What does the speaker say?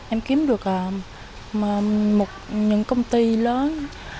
em kiếm được một những công ty lớn